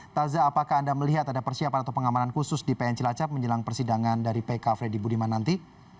taza apakah anda melihat ada persiapan atau pengamanan khusus di pn cilacap menjelang persidangan dari pk freddy budiman nanti